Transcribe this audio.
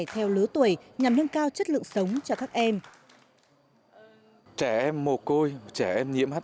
theo lứa tuổi nhằm hương cao chất lượng sống cho các em